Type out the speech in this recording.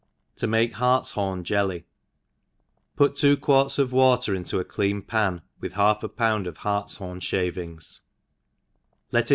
* To make Hartshorn Jelly. PUT two quarts of water into a clean pan, with half a pound of hartfhorn fhavihgs, let it